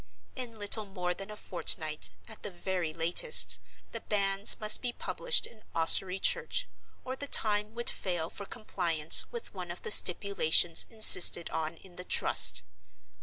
In little more than a fortnight, at the very latest, the Banns must be published in Ossory church, or the time would fail for compliance with one of the stipulations insisted on in the Trust.